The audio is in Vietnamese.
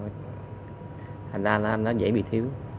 thành ra nó dễ bị thiếu